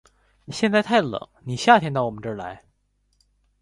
现在太冷，你夏天到我们这里来。